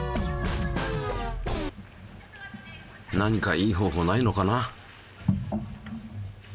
何かいい方法ないのかな？